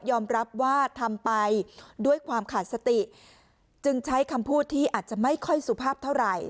รับว่าทำไปด้วยความขาดสติจึงใช้คำพูดที่อาจจะไม่ค่อยสุภาพเท่าไหร่